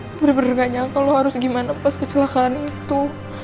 aku bener bener gak nyangka lo harus gimana pas kecelakaan itu